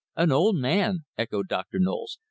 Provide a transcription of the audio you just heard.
"An old man!" echoed Dr. Knowles.